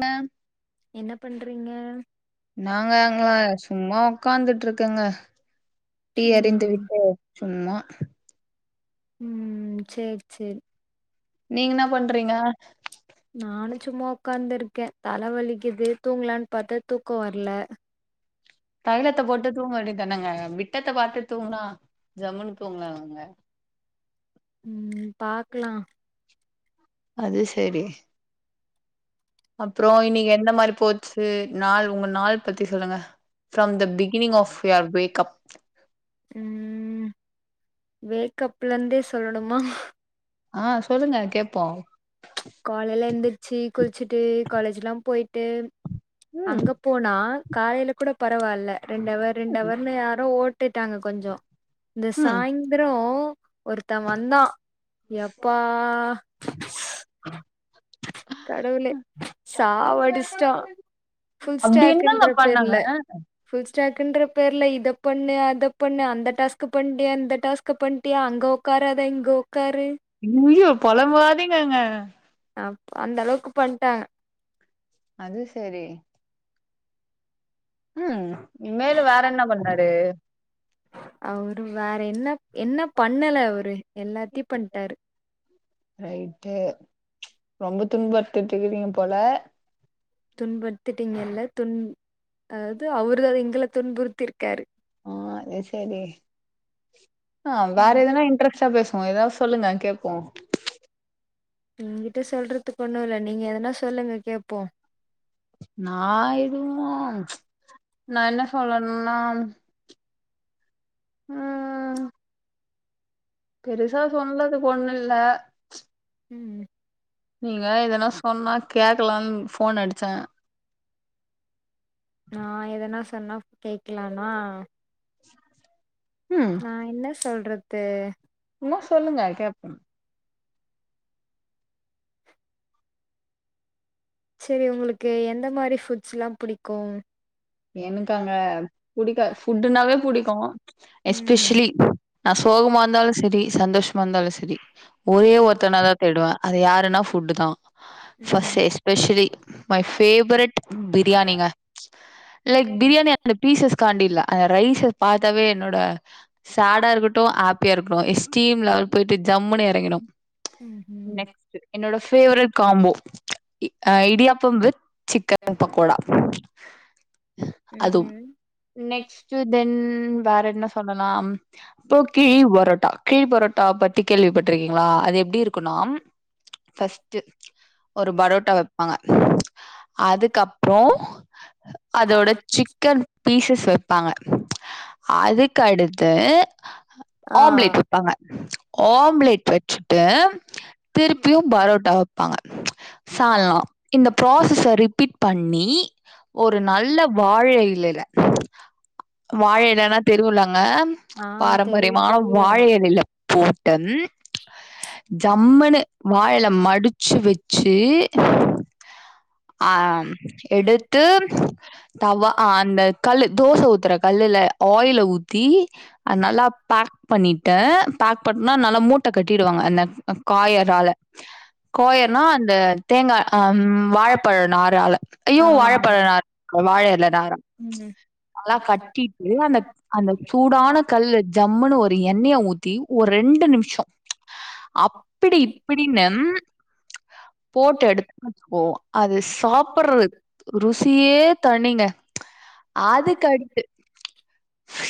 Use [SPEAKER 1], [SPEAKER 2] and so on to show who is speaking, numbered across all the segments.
[SPEAKER 1] மம்
[SPEAKER 2] என்ன பண்றீங்க
[SPEAKER 1] நாங்கங்களா சும்மா உக்காந்துட்ருக்குங்க டீ அரிந்து
[SPEAKER 2] ம்
[SPEAKER 1] விட்டு சும்மா
[SPEAKER 2] ம் சேரி சேரி
[SPEAKER 1] நீங்கன்னா பண்றீங்க
[SPEAKER 2] நானு சும்மா உக்காந்துருக்க தல வலிக்குது தூங்கலான் பாத்தா தூக்கோ வர்ல
[SPEAKER 1] தைலத்த போட்டு தூங்க வேண்டி தானங்க விட்டத்த பாத்து தூங்குனா ஜம்முனு தூங்கலால்லங்க
[SPEAKER 2] ம் பாக்லா
[SPEAKER 1] அது சரி அப்றோ இன்னிக்கி எந்த மாரி போச்சு நாள் உங்க நாள் பத்தி சொல்லுங்க from the beginning of your wake up
[SPEAKER 2] ம் வேக்கப்லந்தே சொல்லணுமா
[SPEAKER 1] ஆ சொல்லுங்க கேப்போ
[SPEAKER 2] காலைல எந்திரிச்சி குளிச்சுட்டு காலேஜ்ல்லா போய்ட்டு
[SPEAKER 1] ம்
[SPEAKER 2] அங்க போனா காலைல கூட பரவால்ல ரெண்டவர் ரெண்டவர்னு யாரோ ஓட்டிட்டாங்க கொஞ்சோ இந்த
[SPEAKER 1] ம்
[SPEAKER 2] சாய்ந்த்ரோ ஒருத்த வந்தா எப்பா
[SPEAKER 1] ஆ
[SPEAKER 2] கடவுளே சாவடிஷ்ட்டா ஃபுல்
[SPEAKER 1] அப்டி என்னங்க
[SPEAKER 2] ஸ்டாக்ன்ற பேர்ல
[SPEAKER 1] பண்ணாங்க
[SPEAKER 2] ஃபுல் ஸ்டாக்குன்ற பேர்ல இதப் பண்ணு அதப் பண்ணு அந்த டாஸ்க் பண்ட்டியா இந்த டாஸ்க் க்கு பண்ட்டியா அங்க உக்காராத அது இங்க உக்காரு
[SPEAKER 1] அய்யய்யோ பொலம்பாதிங்கங்க
[SPEAKER 2] அப் அந்த அளவுக்கு பண்ட்டாங்க
[SPEAKER 1] அது சரி ம் மேலு வேற என்ன பண்ணாரு
[SPEAKER 2] அவரு வேற என்ன என்ன பண்ணல அவரு எல்லாத்துயு பண்ட்டாரு
[SPEAKER 1] ரைட்டு ரொம்ப துன்பத்துட்டுறீங்க போல
[SPEAKER 2] துன்படுத்திட்டீங்கல்ல துன் அதாது அவரு தா எங்கள துன்புறுத்திருக்காரு
[SPEAKER 1] ஆ அது சரி அ வேற எதனா இன்ட்ரெஸ்டா பேசுவோ ஏதா சொல்லுங்க கேப்போ
[SPEAKER 2] எங்கிட்ட சொல்றதுக்கு ஒண்ணு இல்ல நீங்க எதனா சொல்லுங்க கேப்போ
[SPEAKER 1] நா எதுமோ நா என்ன சொல்லனுன்னா ம் பெருசா சொல்லதுக் ஒண்ணுல்ல
[SPEAKER 2] ம்
[SPEAKER 1] நீங்கலா எதனா சொன்னா கேக்கலானு ஃபோன் அடிச்ச
[SPEAKER 2] நா எதனா சொன்னா கேக்கலானா
[SPEAKER 1] ம்
[SPEAKER 2] நா என்ன சொல்றது
[SPEAKER 1] சும்மா சொல்லுங்க கேப்போ
[SPEAKER 2] செரி உங்களுக்கு எந்த மாரி ஃபுட்ஸ்லா புடிக்கு
[SPEAKER 1] எனக்கங்க புடிக்க ஃபுட்டுனாவே புடிக்கு
[SPEAKER 2] ம்
[SPEAKER 1] எஸ்பெஷலி நா சோகமா இருந்தாலு செரி சந்தோஷமா இருந்தாலு செரி ஒரே
[SPEAKER 2] ம்
[SPEAKER 1] ஒருத்தனதா தேடுவ அது யாருன்னா ஃபுட்டுதா
[SPEAKER 2] ம்
[SPEAKER 1] ஃபஸ்டே ஸ்பெஷலி மை ஃபேவரெட் பிரியாணிங்க லைக் பிரியாணி அந்த பீசஸ் காண்டி இல்ல அந்த ரைஸ பாத்தாவே என்னோட சேடா இருக்கட்டு ஹேப்பியா இருக்கு ஸ் ஸ்டீம் லெவல் போயிட்டு ஜம்முனு எறங்கினு
[SPEAKER 2] ம்ஹும்
[SPEAKER 1] நெக்ஸ்ட்டு என்னோட favourite combo idiyappam with chicken pakoda அதும்
[SPEAKER 2] ம்ஹும்
[SPEAKER 1] நெக்ஸ்ட் தென் வேற என்ன சொல்லலாம் இப்போ கிழி பரோட்டா கிழி பரோட்டா பத்தி கேள்விப்பட்ருக்கிங்ளா அது எப்டி இருக்குனா ஃபஸ்ட்டு ஒரு பரோட்டா வெப்பாங்க அதுக்கப்ற அதோட சிக்கன் பீசஸ் வெப்பாங்க அதுக்கடுத்து
[SPEAKER 2] ஆ
[SPEAKER 1] ஆம்லேட் வெப்பாங்க ஆம்லேட் வெச்சுட்டு திருப்பியு பரோட்டா வெப்பாங்க சால்னா இந்த ப்ராசஸ ரிபீட் பண்ணி ஒரு நல்ல வாழ இலைல வாழ இலைனா தெரியுல்லங்க
[SPEAKER 2] ஆ தெரியு
[SPEAKER 1] பாரம்பரியமான
[SPEAKER 2] தெரியு
[SPEAKER 1] வாழை இலைல போட்டு ஜம்முனு வாழைல மடிச் சி வெச்சு அ எடுத்து தவா அந்த கல்லு தோச ஊத் தற கல்லுல ஆயில ஊத்தி அத நல்லா பேக் பண்ணிட்டு பேக் பண்னா நல்லா மூட்ட கட்டிடுவாங்க அந்த காயறால காயர்னா அந்த தேங்கா அ வாழப்பழ நாறால ஐயோ
[SPEAKER 2] ஆ
[SPEAKER 1] வாழப்பழ நாறு வாழ எல நாரு
[SPEAKER 2] ம்
[SPEAKER 1] அதல்லா கட்டிட்டு அந்த அந்த சூடான கல்லு ஜம்முனு ஒரு எண்ணெய ஊத்தி ஒரு ரெண்டு நிமிஷ அப்பிடி இப்பிடின்னு போட்டு எடுத்தன் வெச்சுக்கோ அது சாப்பிடற ருசி யே தனிங்க அதுக்கடுத்து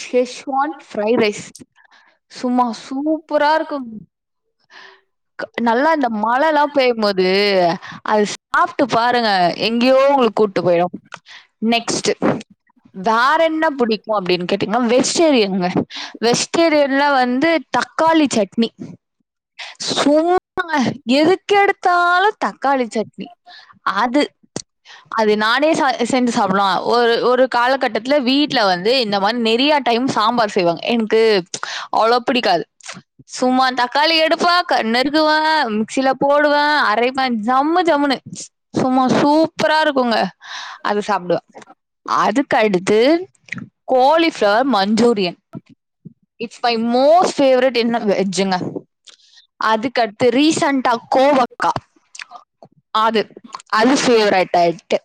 [SPEAKER 1] ஷெஷ்வான் ஃப்ரைட் ரைஸ் சும்மா சூப்பரா இருக்குங் நல்லா இந்த மழலா பேயும்போது அது சாப்ட்டு பாருங்க எங்கயோ உங்கள கூட்டு போயிரு நெக்ஸ்ட் வேற என்ன புடிக்கு அப்டின் கேட்டிங்னா வெஜ்டேரியன்ங்க வெஜ்டேரியன்ல வந்து தக்காளி சட்னி சூப்புங்க எதுக்கு எடுத்தாலு தக்காளி சட்னி அது அது நாட் ளே சா செஞ்சு சாப்பிலா ஒரு ஒரு காலகட்டத்தில வீட்ல வந்து இந்த வான் நெறையா டைம் சாம்பார் செய்வாங்க எனக்கு அவ்ளோ பிடிக்காது சும்மா தக்காளி எடுப்பா க நறுக்குவா ம் சில போடுவா அரைப்பா ஜம் ஜம்முனு சும்மா சூப்பரா இருக்குங்க அது சாப்டுவா அதுக்கடுத்து cauliflower manchurian it's my most favourite என்னங்க வெஜ்ஜுங்க அதுக்கடுத்து ரீசண்ட்டா கோவக்கா
[SPEAKER 2] அ
[SPEAKER 1] ஆது அது ஃபேவரைட் ஆயிட்டு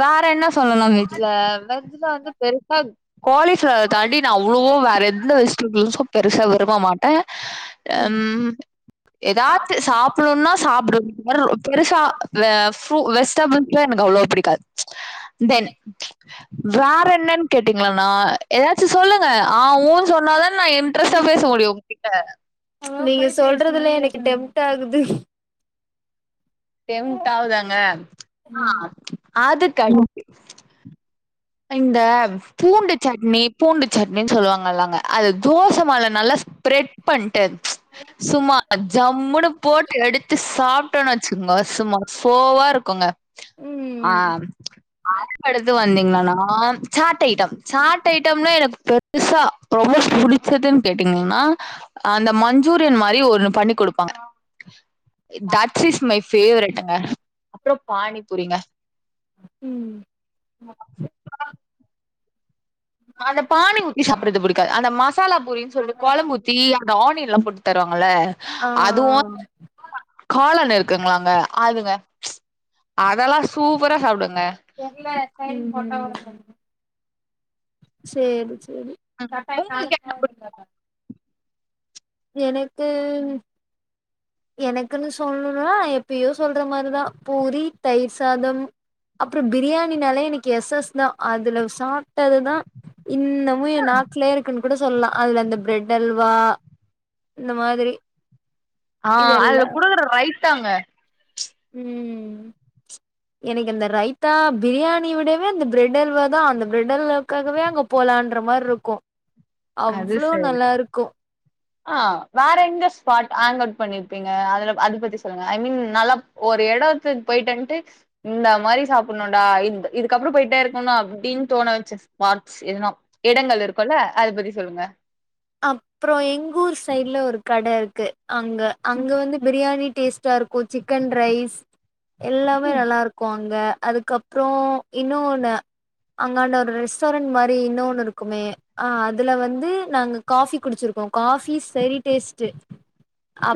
[SPEAKER 1] வேற என்ன சொல்லணு வெஜ்ஜீல வெஜ்ல வந்து பெருசா காலிஃபிளவர தாண்டி நா அவ்ளோ வேற எந்த வெஜ்டபுளு சோ பெருசா விருப்ப மாட்டே அ ம் ஏதாச்சு சாப்பிணுனா சாப்பிடுவே வேற எது பெருசா வே ஃப்ரூ வெஸ் டேபுள்ஸ்லா எனக்கு அவ்ளோவா பிடிக்காது தென் வேற என்னன்னு கேட்டீங்களானா ஏதாச்சு சொல்லுங்க ஆ ஊ சொன்னா தா நா இன்ட்ரெஸ்ட்டா பேச முடியு கிட்ட
[SPEAKER 2] நீங்க சொல்றதுல எனக்கு டெம்ட் ஆகுது
[SPEAKER 1] டெம்ட ஆவுதாங்க ஆ அது கண்ட்டு இந்த பூண்டு சட்னி பூண்டு சட்னின்னு சொல்லுவாங்கல்லங்க அது தோச மேல நல்லா ஸ்ப்ரெட் பண்ட்டு சும்மா ஜம்முனு போட்டு எடுத்து சாப்ட்டேன்னு வச்சுங்கோங்க சும்மா ஃபோவா இருக்குங்க ஆ
[SPEAKER 2] ம்
[SPEAKER 1] ஆ கடுத்து வந்தீங்களானா ஆ சாட் ஐட்டம் சாட் ஐட்டம்னா எனக்கு பெருசா ரொம்ப புடிச்சதுன்னு கேட்டீங்கீங்ன்னா அந்த மஞ்சூரியன் மாரி ஒன்னு பண்ணி குடுப்பாங்க தட்ஸ் இஸ் மை ஃபேவரைட்டுங்க அப்பறோ பானிபூரிங்க
[SPEAKER 2] ம் அ
[SPEAKER 1] அந்த பானி ஊத்தி சாப்புறது புடிக்காது அந்த மசாலா பூரின்னு சொல்ட்டு கொழம்பு ஊத்தி ஆனியன் ல்லா போட்டு தருவாங்கல
[SPEAKER 2] ஆ
[SPEAKER 1] அதுவு
[SPEAKER 2] ம்
[SPEAKER 1] காளான்னு இருக்குங்களங்க அதுங்க அதெல்லா சூப்பரா சாப்டுவங்க
[SPEAKER 2] தெர்ல எப்பயு போட்டா ஒரு கண் சேரி சேரி
[SPEAKER 1] உங்களுக்கு என்ன புடி
[SPEAKER 2] எனக்கு எனக்குன்னு சொல்லணுனா எப்பயோ சொல்ற மாரிதா பூரி தயிர் சாதம் அப்பறோ பிரியாணினால எனக்கு எஸ் எஸ் தா அதுல சாப்ட்டது தா இன்னமு எ நாக்கலயே இருக்குன்னு கூட சொல்லலா அதுல அந்த பிரெட் அல்வா இந்த மாதிரி
[SPEAKER 1] ஆ
[SPEAKER 2] இதெல்லா
[SPEAKER 1] அதுல குடுக்கிற ரைத்தாங்க
[SPEAKER 2] ம் எனக்கு இந்த ரைத்தா பிரியாணி விடவே அந்த பிரெட் அல்வா தா அந்த பிரெட் அல்வாக்காகவே அங்க போலான்ற மாரி ருக்கு
[SPEAKER 1] அது
[SPEAKER 2] அவ்ளோ
[SPEAKER 1] சரி
[SPEAKER 2] நல்லா ருக்கு
[SPEAKER 1] ஆ வேற எங்க ஸ்பாட் ஆங்க் அவுட் பண்ணீர்ப்பீங்க அதுல அத பத்தி சொல்லுங்க ஐ மீன் நல்லா ஒரு எடத்துக் போய்ட் வந்ட்டு இந்த மாரி சாப்பட்ணுன்டா இந்த் இதுக்கப்றோ போய்ட்டே இருக்கணு அப்டின் தோண வெச்ச ஸ்பாட்ஸ் எதுனா இடங்கள் இருக்குல்ல அத பத்தி சொல்லுங்க
[SPEAKER 2] அப்பறோ எங் ஊர் சைட்ல ஒரு கட இருக்கு அங்க அங்க வந்து பிரியாணி டேஸ்ட் டா இருக்கு சிக்கன் ரைஸ் எல்லாமே
[SPEAKER 1] ம்
[SPEAKER 2] நல்லாருக் கு அங்க அதுக்கப்றோ இன்னோன்னு அங்காண்ட ஒரு ரெஸ்ட்டாரண்ட் மாரி இன்னோன்னு இருக்குமே ஆ அதுல வந்து நாங்க காஃபி குடிச்சிருக்கோ காஃபி செரி டேஸ்ட்டு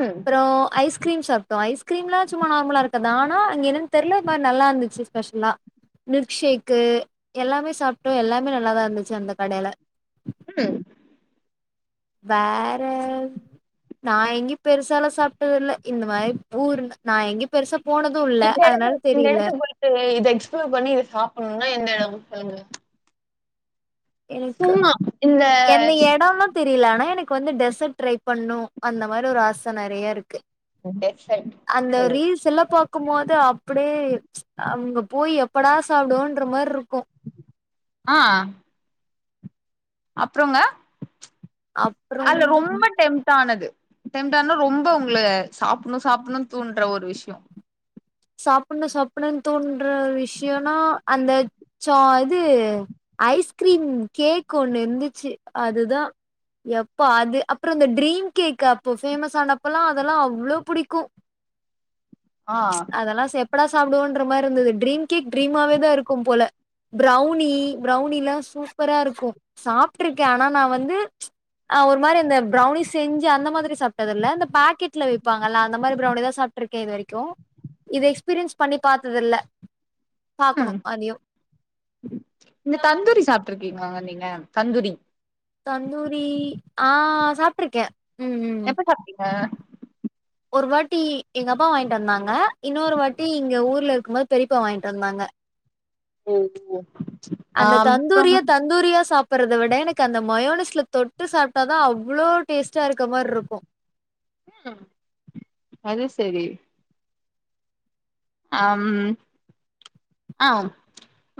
[SPEAKER 1] ம்
[SPEAKER 2] ஐஸ் க்ரீம் சாப்ட்டோ ஐஸ்க்ரீம்லா சும்மா நார்மலா இருக்குது ஆனா அங்க என்னன் தெர்ல இந் மார் நல்லாருந்துச்சி ஸ்பெஷலா மில்க் ஷேக்கு எல்லாமே சாப்ட்டோ எல்லாமே நல்லாதா இர்ந்துச்சு அந்த கடைல
[SPEAKER 1] ம்
[SPEAKER 2] வேற நா எங்யு பெருசால்லா சாப்ட்டதில்ல இந்த மாரி ஊர்ல நா எங்யு பெருசா போனது இல்ல அதுனால் தெரியில
[SPEAKER 1] டு இத எக்ஸ்ப்ளோர் பண்ணி இத சாப்பட்ணுனா எந்த எடம் சொல்லுங்க
[SPEAKER 2] எனக்கு
[SPEAKER 1] சும்மா இந்த
[SPEAKER 2] எந்த எடம்லா தெரியில ஆனா எனக்கு வந்து டெசட் ட்ரை பண்ணு அந்த மாரி ஒரு ஆச நெறைய இருக்கு
[SPEAKER 1] டெசர்ட்
[SPEAKER 2] அந்த
[SPEAKER 1] ம்
[SPEAKER 2] ரீல்ஸ் எல்லா பாக் கும்போது அப்டியே அங்க போய் எப்படா சாப்டுவோன்ற மார்ருக்கு
[SPEAKER 1] ஆ அப்றோங்க
[SPEAKER 2] அப்புறம்
[SPEAKER 1] அல்ல ரொம்ப டெம் ட்டானது டெம்ட்டானா ரொம்ப உங்கள சாப்பட்ணு சாப்பட்ணுன் தூண்ற ஒரு விஷ்யோ
[SPEAKER 2] சாப்பட்ணு சாப்பட்ணுன் தூண்ற விஷ்யோனா அந்த சா இது ஐஸ்க்ரீம் கேக் ஒன்னுர்ந்துச்சி அதுதா எப்பா அது அப்றோ இந்த ட்ரீம் கேக்கு அப்போ ஃபேமஸ் ஆனப்பல்லா அதெல்லா அவ்ளோ புடிக்கு
[SPEAKER 1] ஆ
[SPEAKER 2] அதெல்லா செ எப்படா சாப்டுவோன்ற மார்ருந்துது ட்ரீம் கேக் ட்ரீமாவே தா இருக்கும் போல ப்ரௌனி ப்ரௌனில்லா சூப்பரா இருக்கு சாப்ட்ருக்கே ஆனா நா வந்து ஒரு மாரி இந்த பிரௌனி செஞ்சு அந்த மாதிரி சாப்ட்டதில்ல இந்த பேக்கெட்ல விப்பாங்கல்ல அந்த மாரி பிரௌனிதா சாப் ட்ருக்கே இது வரைக்கு இது எக்ஸ்பீரியன்ஸ் பண்ணி பாத்ததில்ல பாக்கணு
[SPEAKER 1] ம்
[SPEAKER 2] அதயு
[SPEAKER 1] இந்த தந்தூரி சாப்ட்ருக்கீங்களாங்க நீங்க தந்தூரி
[SPEAKER 2] தந்தூரி ஆ சாப்ட்ருக்கே ம் ம்
[SPEAKER 1] எப்ப சாப்ட்டீங்க
[SPEAKER 2] ஒரு வாட்டி எங்க அப்பா வாய்ங்ட் வந்தாங்க இன்னோரு வாட்டி இங்க ஊர்லருக்கும்போது பெரியப்பா வாய்ங்ட் வந்தாங்க
[SPEAKER 1] சேரிங்க
[SPEAKER 2] அந்த தந்தூரிய தந்தூரியா சாப் பட்றத விட எனக்கு அந்த மயோனிஸ்ல தொட்டு சாப்ட்டா தா அவ்ளோ டேஸ்ட்டா இருக்க மார்ருக்கு
[SPEAKER 1] ம் அது செரி அம் ஆ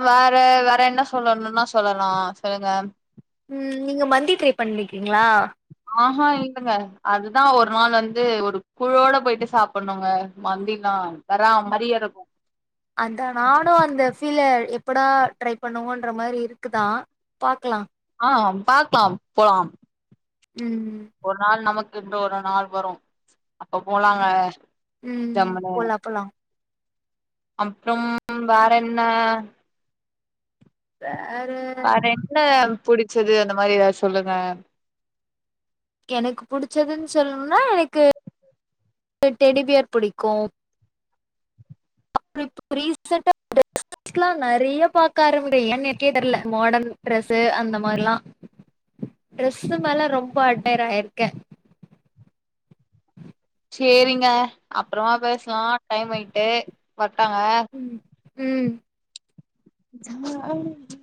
[SPEAKER 1] வேற வேற என்ன சொல்லணுன்னா சொல்லலா சொல்லுங்க
[SPEAKER 2] ம் நீங்க மந்தி ட்ரை பண்ணீர்க்கீங்ளா
[SPEAKER 1] ஆ ஆ இல்லங்க அதுதா ஒரு நாள் வந்து ஒரு குழுவோட போய்ட்டு சாப்பட்ணுங்க மந்தினா வேற மாரியே இருக்கு
[SPEAKER 2] அதா நானு அந்த ஃபீல எப்படா ட்ரை பண்ணுவோன்ற மாரி இருக்குதா பாக்கலா
[SPEAKER 1] ஆ பாக்லாம் போலாம்
[SPEAKER 2] ம் ம்
[SPEAKER 1] ஒரு நாள் நமக்குன்று ஒரு நாள் வரும் அப்ப போலாங்க
[SPEAKER 2] ம்
[SPEAKER 1] ஜம்முனு
[SPEAKER 2] போலா போலா
[SPEAKER 1] அப்றம் வேற என்ன
[SPEAKER 2] வேற
[SPEAKER 1] வேற என்ன புடிச்சது அந்த மாரி எதாவ் சொல்லுங்க
[SPEAKER 2] எனக்கு புடிச்சதுன் சொல்னுனா எனக்கு எனக் டெடிபியர் புடிக்கு [inaudible] ட்ரஸ்ஸஸ்லா நெறைய பாக்க ஆரம்பி [inaudible] ஏன்னு எனக்கே தெரில மாடர்ன் டிரரெஸ் அந்த மார்லா ட்ரெஸ்சு மேல ரொம்ப அட்டயரா இருக்கே
[SPEAKER 1] சேரிங்க அப்றமா பேசலா டைம் ஆகிட்டு வர்ட்டாங்க
[SPEAKER 2] ம் ம்
[SPEAKER 1] [unintelligible]